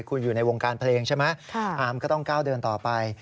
คุณอยู่ในวงการเพลงใช่ไหมอาร์มก็ต้องก้าวเดินต่อไป